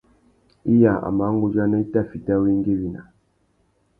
Iya a mà nʼgudzana i tà fiti awéngüéwina.